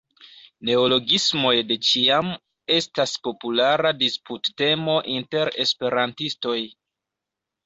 Neologismoj de ĉiam estas populara disputtemo inter esperantistoj.